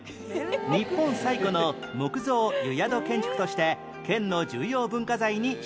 日本最古の木造湯宿建築として県の重要文化財に指定されています